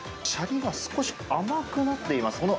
シャリが少し甘くなっています。